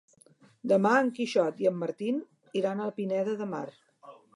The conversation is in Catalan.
Demà en Quixot i en Martí iran a Pineda de Mar.